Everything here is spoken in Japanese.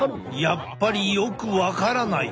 やっぱりよく分からない。